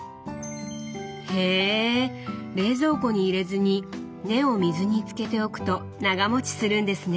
へ冷蔵庫に入れずに根を水につけておくと長もちするんですね。